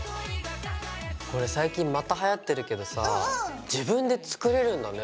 これ最近またはやってるけどさ自分で作れるんだね。